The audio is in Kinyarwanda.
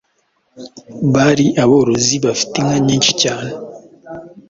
Bari aborozi bafite inka nyinshi cyane